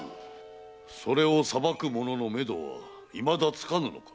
それを捌く者の目処はいまだつかぬのか？